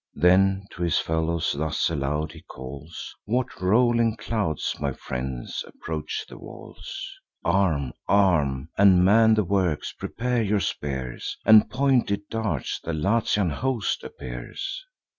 Then to his fellows thus aloud he calls: "What rolling clouds, my friends, approach the walls? Arm! arm! and man the works! prepare your spears And pointed darts! the Latian host appears."